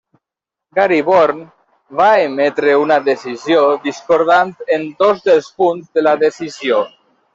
Gary Born va emetre una decisió discordant en dos dels punts de la decisió.